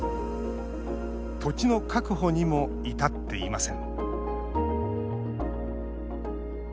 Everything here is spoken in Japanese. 土地の確保にも至っていません